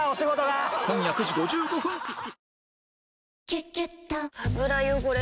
「キュキュット」油汚れ